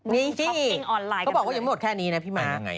นี่ที่เขาบอกว่ายังไม่หมดแค่นี้นะพี่มาร์ค